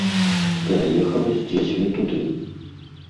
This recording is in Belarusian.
Пераехала з дзецьмі туды.